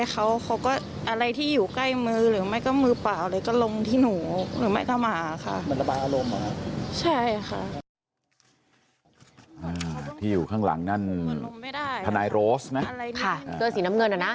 ค่ะเกลือสีน้ำเงินแล้วนะ